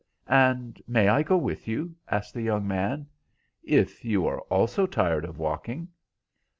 "And may I go with you?" asked the young man. "If you also are tired of walking."